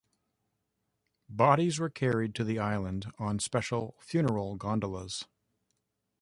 Bodies were carried to the island on special funeral gondolas.